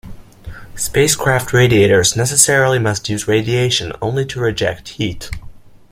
Spacecraft radiators necessarily must use radiation only to reject heat.